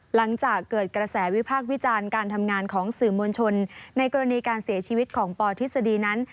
หลังจากเกิดกระแสวิพากษ์วิจารณ์การทำงานของสื่อมวลชนในกรณีการเสียชีวิตของปทฤษฎีนั้น